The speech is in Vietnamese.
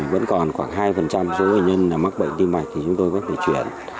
vẫn còn khoảng hai số bệnh nhân mắc bệnh tim mạch thì chúng tôi vẫn phải chuyển